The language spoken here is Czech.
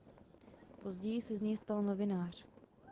Později se z něj stal novinář.